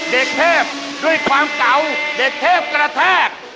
เด็กเทพด้วยความเก่าเด็กเทพกระแทก